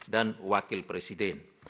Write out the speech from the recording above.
dan wakil presiden